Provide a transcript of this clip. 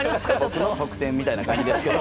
僕の得点みたいな感じですけど。